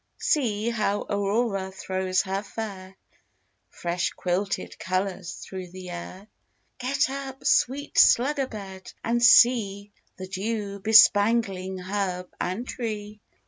See how Aurora throws her fair Fresh quilted colours through the air: Get up, sweet slug a bed, and see The dew bespangling herb and tree.